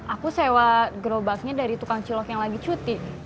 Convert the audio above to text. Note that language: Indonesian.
aku sewa gerobaknya dari tukang cilok yang lagi cuti